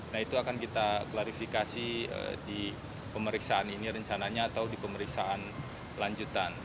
nah itu akan kita klarifikasi di pemeriksaan ini rencananya atau di pemeriksaan lanjutan